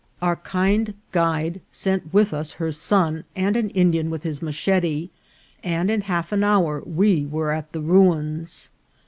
Our kind guide sent with us her son and an Indian with his machete, and in half an hour we were at the ruins.